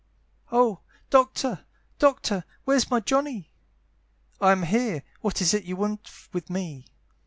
"Oh Doctor! Doctor! where's my Johnny?" "I'm here, what is't you want with me?"